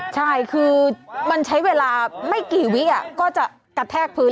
ใช่คือมันใช้เวลาไม่กี่วิก็จะกระแทกพื้น